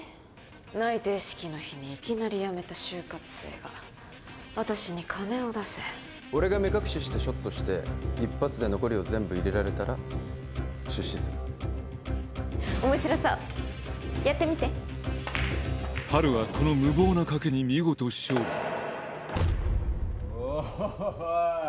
内定式の日にいきなり辞めた就活生が私に金を出せ俺が目隠ししてショットして一発で残りを全部入れられたら出資する面白そうやってみてハルはこの無謀な賭けに見事勝利おい！